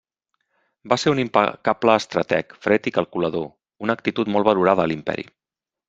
Va ser un impecable estrateg, fred i calculador, una actitud molt valorada en l'Imperi.